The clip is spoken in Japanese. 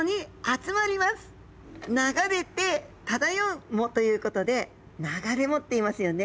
流れて漂う藻ということで流れ藻っていいますよね。